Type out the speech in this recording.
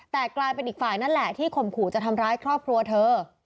แต่กลายเป็นอีกฝ่ายนั่นแหละที่ข่มขู่จะทำร้ายครอบครัวเธอ